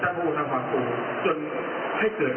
ก็ยังไม่รู้ว่ามันจะยังไม่รู้ว่า